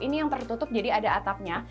ini yang tertutup jadi ada atapnya